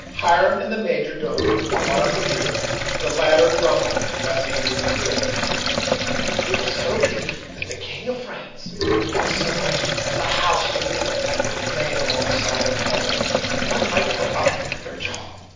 Hiram and the major domo brought up the rear, the latter grumbling as he entered the building: "If so be that the king of France had so much as a house to live in that would lay alongside of Paul's, one might put up with their jaw.